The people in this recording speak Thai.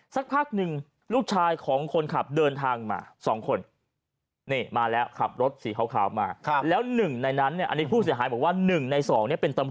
สักพักหนึ่งลูกชายของคนขับเดินทางมา๒คนมาแล้วขับรถสีค้า